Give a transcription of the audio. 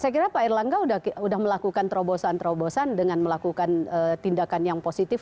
saya kira pak erlangga sudah melakukan terobosan terobosan dengan melakukan tindakan yang positif